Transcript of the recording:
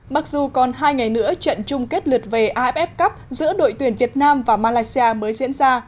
mặc dù còn hai ngày nữa trận chung kết lượt về af cup giữa đội tuyển việt nam và malaysia mới diễn ra